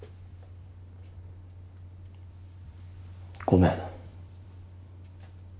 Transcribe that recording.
ごめん。